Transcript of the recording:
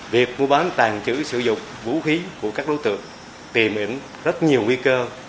việc mua bán tàng trữ sử dụng vũ khí của các đối tượng tìm ẩn rất nhiều nguy cơ